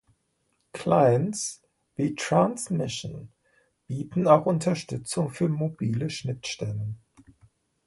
Clients wie Transmission bieten auch Unterstützung für mobile Schnittstellen.